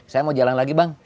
saya mau jalan lagi bang